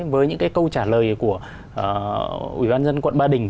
với những cái câu trả lời của ủy ban dân quận ba đình